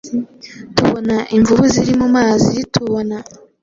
tubona imvubu ziri mu mazi, tubona